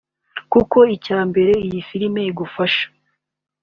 kuko icya mbere iyi filimi igufasha